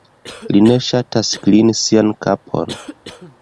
Li ne ŝatas klini sian kapon.